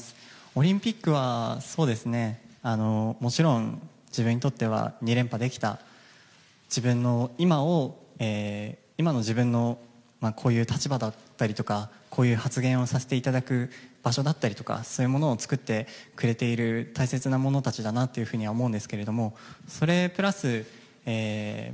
オリンピックは、もちろん自分にとっては２連覇できた今の自分のこういう立場だったりとかこういう発言をさせていただく場所だったりとかそういうものを作ってくれている大切なものたちだなとは思うんですけども、それプラス